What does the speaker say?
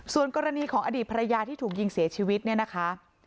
ส่วนกรณีของอดีตภรรยาที่ถูกยิงเสียชีวิตเนี่ยนะคะ